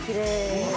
うわ！